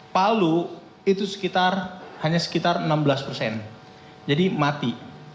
palu itu hanya sekitar enam belas persen jadi mati